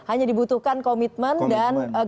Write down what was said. hanya dibutuhkan komitmen dan kemampuan